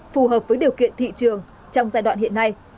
phù hợp với điều kiện thị trường trong giai đoạn hiện nay